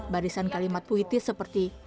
barisan kalimat puitis seperti